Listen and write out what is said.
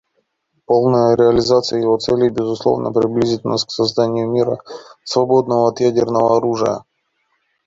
Полная реализация его целей, безусловно, приблизит нас к созданию мира, свободного от ядерного оружия.